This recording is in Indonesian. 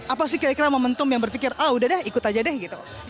apa sih kira kira momentum yang berpikir ah udah deh ikut aja deh gitu